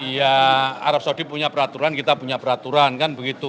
ya arab saudi punya peraturan kita punya peraturan kan begitu